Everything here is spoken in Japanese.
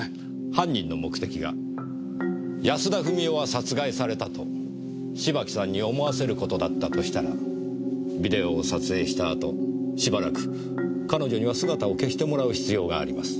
犯人の目的が安田富美代は殺害されたと芝木さんに思わせる事だったとしたらビデオを撮影した後しばらく彼女には姿を消してもらう必要があります。